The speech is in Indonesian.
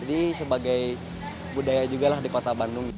jadi sebagai budaya juga lah di kota bandung